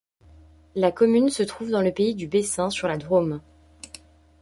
La commune se trouve dans le pays du Bessin, sur la Drôme.